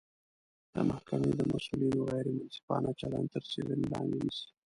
د محکمې د مسوولینو غیر منصفانه چلند تر څیړنې لاندې نیسي